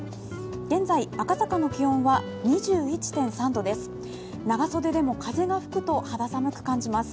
現在、赤坂の気温は２１．３度です。